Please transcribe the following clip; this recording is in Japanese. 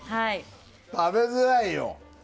食べづらいよ。